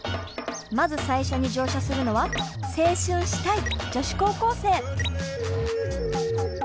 まず最初に乗車するのは青春したい女子高校生。